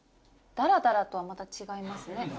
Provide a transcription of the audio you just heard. ダラダラとはまた違いますね。